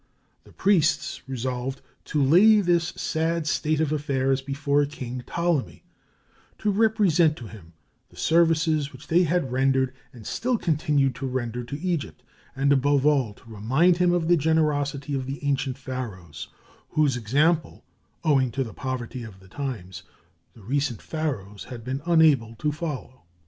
The priests resolved to lay this sad state of affairs before King Ptolemy, to represent to him the services which they had rendered and still continued to render to Egypt, and above all to remind him of the generosity of the ancient Pharaohs, whose example, owing to the poverty of the times, the recent Pharaohs had been unable to follow.